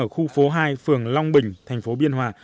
của khu phố hai phường long bình tp biên hòa